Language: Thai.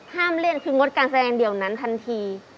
เล่นคืองดการแสดงเดียวนั้นทันที